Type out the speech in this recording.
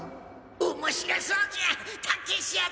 面白そうじゃん！